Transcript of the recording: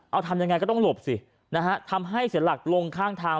เอาทำยังไงก็ต้องหลบสินะฮะทำให้เสียหลักลงข้างทาง